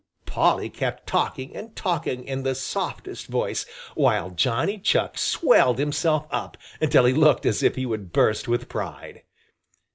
Polly kept talking and talking in the softest voice, while Johnny Chuck swelled himself up until he looked as if he would burst with pride.